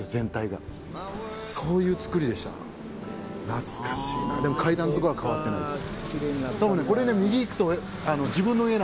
懐かしいなでも階段とかは変わってないです。